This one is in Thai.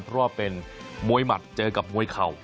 เพราะว่าเป็นมวยหมัดเจอกับมวยเข่า